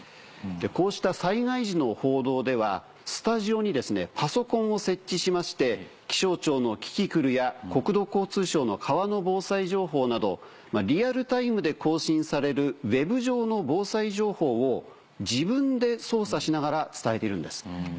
こうした災害時の報道ではスタジオにパソコンを設置しまして気象庁の「キキクル」や国土交通省の川の防災情報などリアルタイムで更新されるＷＥＢ上の防災情報を自分で操作しながら伝えているんです。